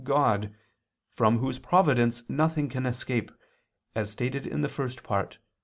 God, from Whose providence nothing can escape, as stated in the First Part (Q.